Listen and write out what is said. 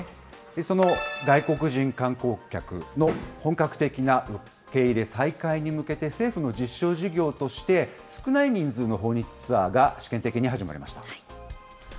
その外国人観光客の本格的な受け入れ再開に向けて、政府の実証事業として、少ない人数の訪日ツアーが試験的に始まりました。